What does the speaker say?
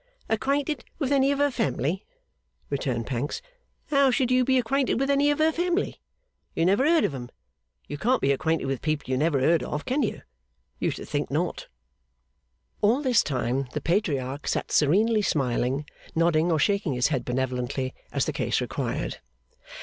'Acquainted with any of her family?' returned Pancks. 'How should you be acquainted with any of her family? You never heard of 'em. You can't be acquainted with people you never heard of, can you? You should think not!' All this time the Patriarch sat serenely smiling; nodding or shaking his head benevolently, as the case required.